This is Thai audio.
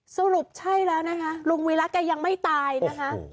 สรุปใช่แล้วนะคะลุงวีระแกยังไม่ตายนะคะ